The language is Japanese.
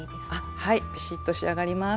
はいビシッと仕上がります。